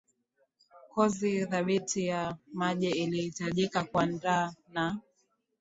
kozi thabiti ya maji ilihitajika kuandaa na